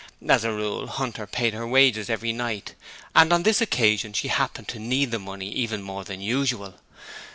As a rule, Hunter paid her wages every night, and on this occasion she happened to need the money even more than usual.